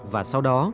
và sau đó